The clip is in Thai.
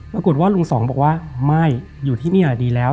ปรากฏว่าลุงสองบอกว่าไม่อยู่ที่นี่ดีแล้ว